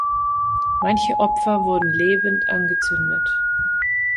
Manche Opfer wurden lebend angezündet.